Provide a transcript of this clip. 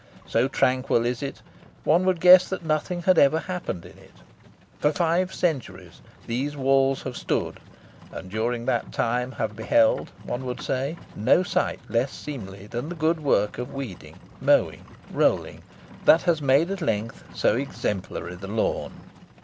So tranquil is it, one would guess that nothing had ever happened in it. For five centuries these walls have stood, and during that time have beheld, one would say, no sight less seemly than the good work of weeding, mowing, rolling, that has made, at length, so exemplary the lawn.